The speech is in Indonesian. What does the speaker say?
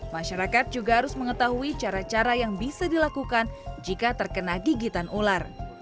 masyarakat juga harus mengetahui cara cara yang bisa dilakukan jika terkena gigitan ular